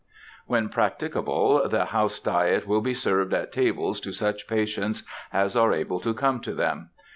When practicable, the house diet will be served at tables to such patients as are able to come to them.